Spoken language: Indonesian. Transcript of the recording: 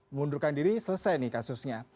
mengundurkan diri selesai nih kasusnya